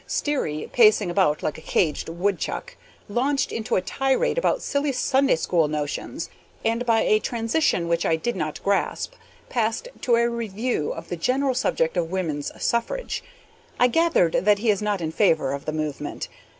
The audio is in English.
Sterry, pacing about like a caged woodchuck, launched into a tirade about silly Sunday school notions, and, by a transition which I did not grasp, passed to a review of the general subject of woman's suffrage. I gathered that he is not in favor of the movement.